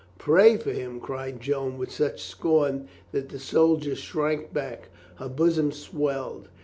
"Pray for him !" cried Joan with such scorn that the soldier shrank back. Her bosom swelled.